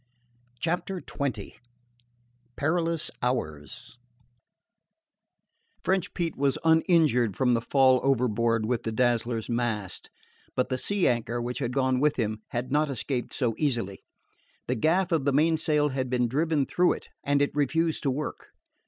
CHAPTER XX PERILOUS HOURS French Pete was uninjured from the fall overboard with the Dazzler's mast; but the sea anchor, which had gone with him, had not escaped so easily. The gaff of the mainsail had been driven through it, and it refused to work.